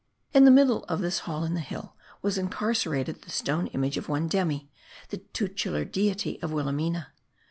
In the middle of this hall in the hill was incarcerated the stone image of one Demi, the tutelar deity of Willa milla.